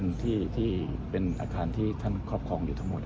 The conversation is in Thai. มองว่าเป็นการสกัดท่านหรือเปล่าครับเพราะว่าท่านก็อยู่ในตำแหน่งรองพอด้วยในช่วงนี้นะครับ